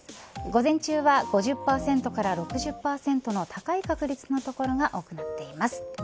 午前中は５０％から６０％の高い確率の所が多くなっています。